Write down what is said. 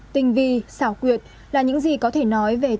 tình vi xảo quyệt là những gì có thể nói về tội phạm